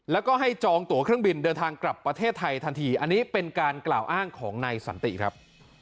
แล้วก็ให้จองตัวเครื่องบินเดินทางกลับประเทศไทยทันทีอันนี้เป็นการกล่าวอ้างของนายสันติครับ